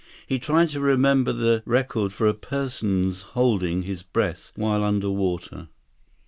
He tried to remember the record for a person's holding his breath while under water.